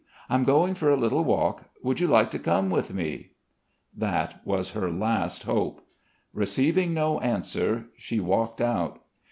I'm going for a little walk. Would you like to come with me?" That was her last hope. Receiving no answer, she walked out.